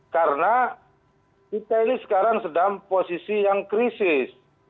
karena kita ini sekarang sedang posisi yang krisis